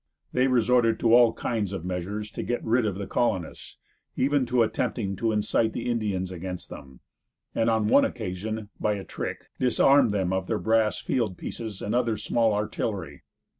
They resorted to all kinds of measures to get rid of the colonists, even to attempting to incite the Indians against them, and on one occasion, by a trick, disarmed them of their brass field pieces and other small artillery.